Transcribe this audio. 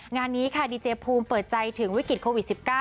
งานนี้ค่ะดีเจภูมิเปิดใจถึงวิกฤตโควิด๑๙